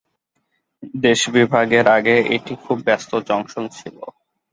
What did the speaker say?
দেশ বিভাগের আগে এটি খুব ব্যস্ত জংশন ছিল।